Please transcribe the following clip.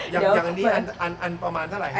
อย่างนี้อันประมาณเท่าไหร่ฮะ